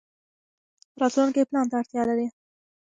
راتلونکی پلان ته اړتیا لري.